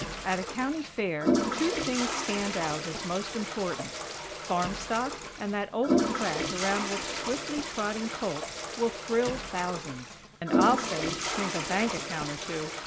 At a County Fair two things stand out as most important: farm stock and that oval track around which swiftly trotting colts will thrill thousands; and, I'll say, shrink a bank account or two!